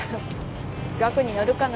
額によるかな